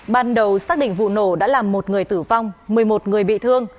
ban đầu xác định vụ nổ đã làm một người tử vong một mươi một người bị thương